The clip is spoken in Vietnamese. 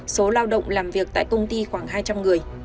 số lao động làm việc tại công ty khoảng hai trăm linh người